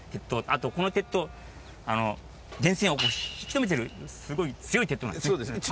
あとこの鉄塔電線を引き止めてるすごい強い鉄塔なんですね。